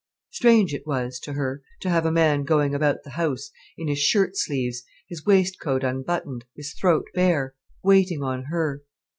Strange it was to her, to have a man going about the house in his shirt sleeves, his waistcoat unbuttoned, his throat bare, waiting on her.